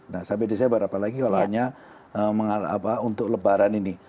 nah sampai desember apalagi kalau hanya untuk lebaran ini